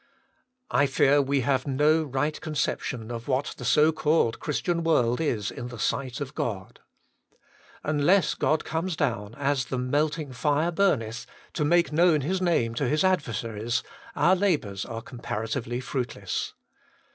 I fear we have no right conception of what the so called Christian world is in the sight of God, Unless God comes down * as the melting fire burneth, to make known His name to His adversaries,* our labours are comparatively fruitless.